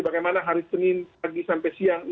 bagaimana hari senin pagi sampai siang